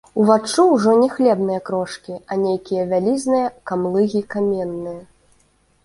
Уваччу ўжо не хлебныя крошкі, а нейкія вялізныя камлыгі каменныя.